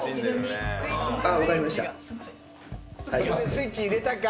・スイッチ入れたか。